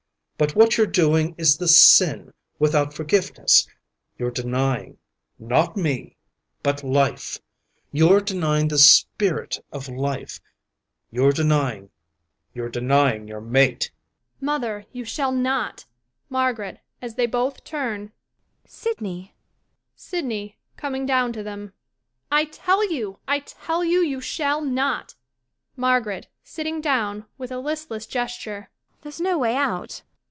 But what you're doing is the sin without forgiveness. You're denying — not me — but life. You're denying the spirit of life. You're denying — you're denying your mate. SYDNEY {Strung up to breaking point,"] Mother, you shall not. MARGARET lAs they both turnJ] Sydney 1 SYDNEY \Coming down to them,] I tell you — I tell you, you shall not MARGARET {Sitting down, with a listless gesture.] There's no way out.